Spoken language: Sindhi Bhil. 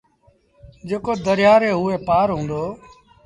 جيڪو دريآ ري هوئي پآر هُݩدو۔